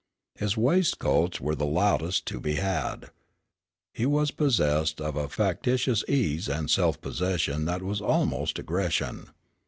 His waistcoats were the loudest to be had. He was possessed of a factitious ease and self possession that was almost aggression.